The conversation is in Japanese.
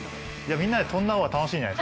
みんなで飛んだ方が楽しいんじゃない。